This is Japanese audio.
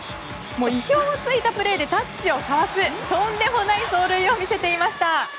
意表をついたプレーでタッチをかわすとんでもない走塁を見せていました。